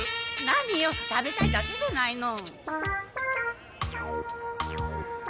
何よ食べたいだけじゃないの！